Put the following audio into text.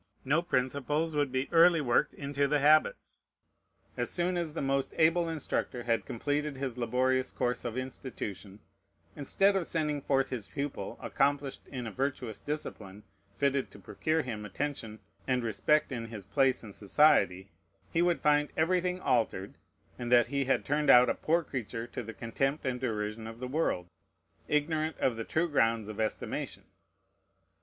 No principles would be early worked into the habits. As soon as the most able instructor had completed his laborious course of institution, instead of sending forth his pupil accomplished in a virtuous discipline fitted to procure him attention and respect in his place in society, he would find everything altered, and that he had turned out a poor creature to the contempt and derision of the world, ignorant of the true grounds of estimation.